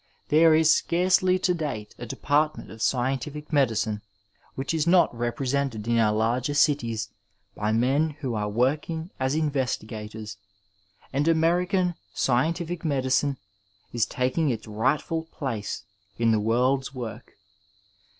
There is scarcely tcvday a departniNit of sdentifio medicine which is not represented in our larger cities by men who are wock iog as inyestigatoxs, and American scientific medicine is taking its rightful place in the world's work.